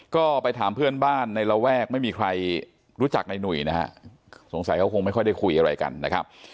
ก็ไปถามเพื่อนบ้านในระแวกไม่มีใครรู้จักในหนุ่ยนะฮะสงสัยเขาคงไม่ค่อยได้คุยอะไรกันนะครับ